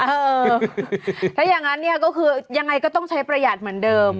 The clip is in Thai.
เออถ้าอย่างนั้นเนี่ยก็คือยังไงก็ต้องใช้ประหยัดเหมือนเดิม